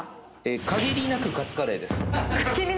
限りなくカツカレー。